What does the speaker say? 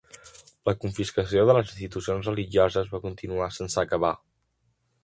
La confiscació de les institucions religioses va continuar sense acabar.